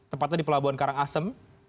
tepatnya di pelabuhan karangasem